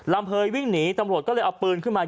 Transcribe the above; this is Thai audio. เภยวิ่งหนีตำรวจก็เลยเอาปืนขึ้นมา